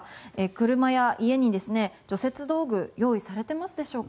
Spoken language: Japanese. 車や家に除雪道具を用意されていますでしょうか。